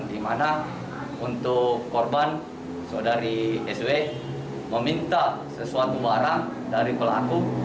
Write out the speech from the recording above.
dimana untuk korban saudari sw meminta sesuatu warang dari pelaku